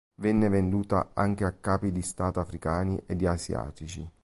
Venne venduta anche a capi di stato africani ed asiatici.